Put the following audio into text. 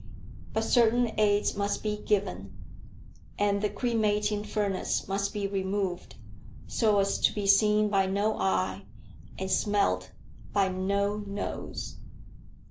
But certain aids must be given, and the cremating furnace must be removed, so as to be seen by no eye and smelt by no nose.